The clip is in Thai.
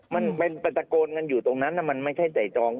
มันเป็นปัจจักรอยู่ตรงนั้นมันไม่ใช่ใจจอง